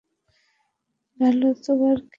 Voltaire কে, Stifler?